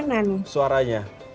aduh ini keamanan